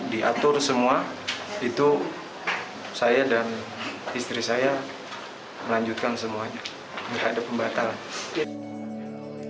diatur semua itu saya dan istri saya melanjutkan semuanya biar ada pembatalan